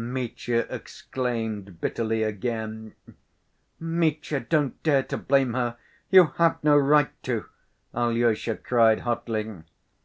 Mitya exclaimed bitterly again. "Mitya, don't dare to blame her; you have no right to!" Alyosha cried hotly.